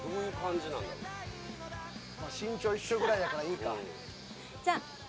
身長一緒ぐらいやからええか。